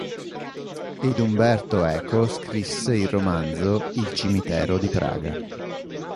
Ed Umberto Eco scrisse il romanzo "Il cimitero di Praga".